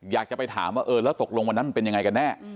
อยากจะไปถามว่าเออแล้วตกลงวันนั้นมันเป็นยังไงกันแน่